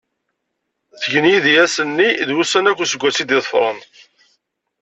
Tgen yid-i ass-nni, d wussan akk n useggas i d-iḍefren.